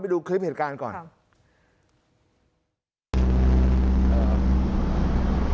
ดูคลิปเหตุการณ์ก่อนครับ